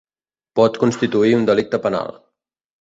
Pot constituir un delicte penal.